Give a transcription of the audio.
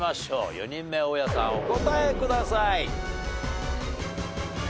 ４人目大家さんお答えください。